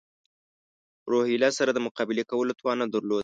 روهیله سره د مقابلې کولو توان نه درلود.